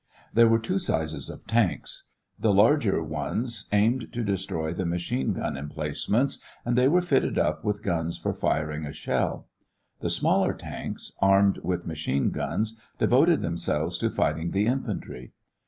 There were two sizes of tanks. The larger ones aimed to destroy the machine gun emplacements, and they were fitted up with guns for firing a shell. The smaller tanks, armed with machine guns, devoted themselves to fighting the infantry.